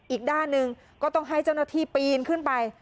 อีกด้านหนึ่งก็ต้องให้เจ้าหน้าที่ปีนขึ้นไป